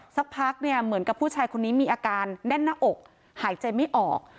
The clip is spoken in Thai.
สักพักเนี่ยเหมือนกับผู้ชายคนนี้มีอาการแน่นหน้าอกหายใจไม่ออก